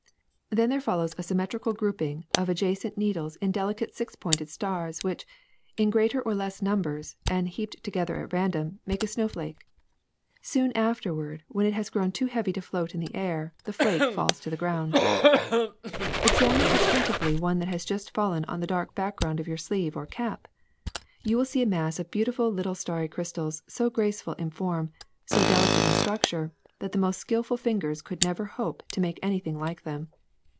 Then there follows a sym metrical grouping of adjacent needles in delicate six pointed stars which, in greater or less numbers and heaped together at random, make a sno\s^ake. Soon afterward, when it has grown too heavy to float in the air, the flake falls to the ground. ^^ Examine attentively one that has just fallen on the dark background of your sleeve or cap. You will see a mass of beautiful little starry crystals so graceful in form, so delicate in structure, that the most skilful fingers could never hope to make any thing like them.